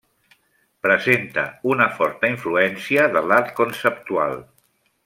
Presenta una forta influència de l'art conceptual.